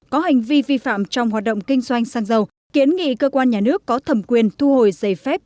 có hành vi vi phạm trong hoạt động kinh doanh xăng dầu kiến nghị cơ quan nhà nước có thẩm quyền thu hồi giấy phép